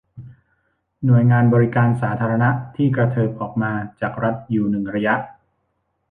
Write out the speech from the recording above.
หน่วยงานบริการสาธารณะที่กระเถิบออกมาจากรัฐอยู่หนึ่งระยะ